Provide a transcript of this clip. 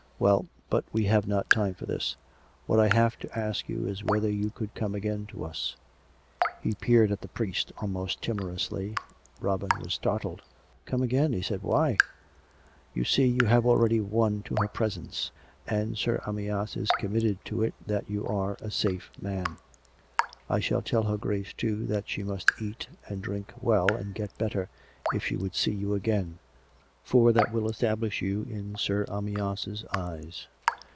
... Well, but we have not time for this. What I have to ask you is whether you could come again to us }" He peered at the priest almost timorously. Robin was startled. " Come again? " he said. " Why "" You see you have already won to her presence, and Sir Amyas is committed to it that you are a safe man. I shall tell her Grace, too, that she must eat and drink well, and get better, if she would see you again, for that will establish you in Sir Amyas' eyes."